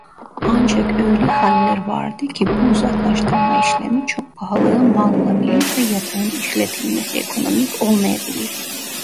Ancak öyle haller vardır ki bu uzaklaştırma işlemi çok pahalıya malolabilir ve yatağın işletilmesi ekonomik olmayabilir.